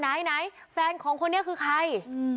ไหนแฟนของคนนี้คือใคร